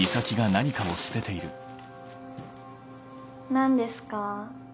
何ですか？